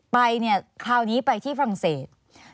ไปเนี่ยคราวนี้ไปที่ฝรั่งเศส